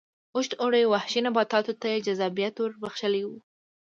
اوږد اوړي وحشي نباتاتو ته جذابیت ور بخښلی و.